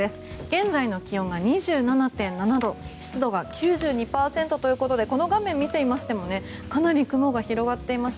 現在の気温が２７．７度湿度が９２％ということでこの画面を見ていましてもかなり雲が広がっています。